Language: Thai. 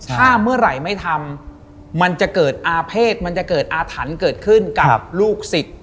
ถ้าเมื่อไหร่ไม่ทำมันจะเกิดอาเภษมันจะเกิดอาถรรพ์เกิดขึ้นกับลูกศิษย์